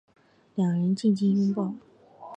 两人静静拥抱